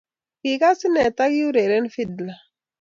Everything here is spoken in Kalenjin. Kigas inee takiureren fidla